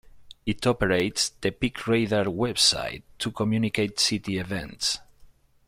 It operates the PeakRadar website to communicate city events.